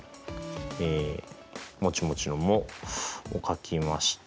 もちもちの「も」を書きまして。